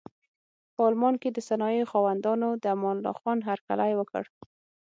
په المان کې د صنایعو خاوندانو د امان الله خان هرکلی وکړ.